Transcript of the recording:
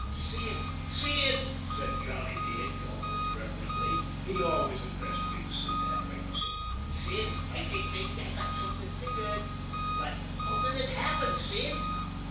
"Sid ... Sid," said Johnny the Itch almost reverently. He always addressed Big Sid that way. He said, "Sid, I think maybe I got something figured. But but how did it happen, Sid?"